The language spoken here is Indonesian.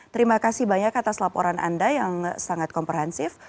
terima kasih banyak atas laporan anda yang sangat komprehensif